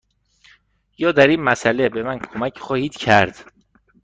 یا در این مسأله به من کمک خواهید کرد؟